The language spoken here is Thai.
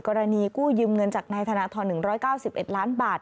กู้ยืมเงินจากนายธนทร๑๙๑ล้านบาท